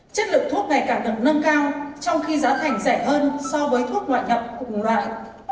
chất lượng thuốc ngày càng được nâng cao trong khi giá thành rẻ hơn so với thuốc ngoại nhập cùng loại